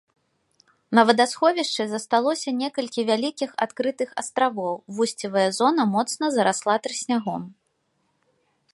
На вадасховішчы засталося некалькі вялікіх адкрытых астравоў, вусцевая зона моцна зарасла трыснягом.